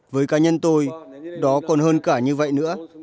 với cá nhân tôi đó còn hơn cả như vậy nữa